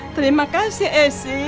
terima kasih esy